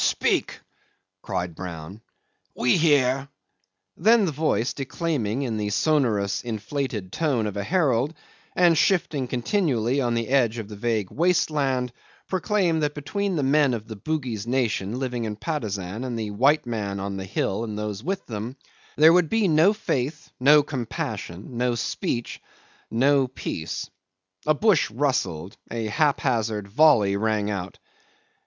"Speak," cried Brown, "we hear." Then the voice, declaiming in the sonorous inflated tone of a herald, and shifting continually on the edge of the vague waste land, proclaimed that between the men of the Bugis nation living in Patusan and the white men on the hill and those with them, there would be no faith, no compassion, no speech, no peace. A bush rustled; a haphazard volley rang out.